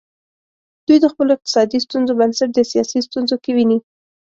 دوی د خپلو اقتصادي ستونزو بنسټ د سیاسي ستونزو کې ویني.